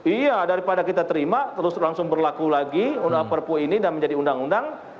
iya daripada kita terima terus langsung berlaku lagi perpu ini dan menjadi undang undang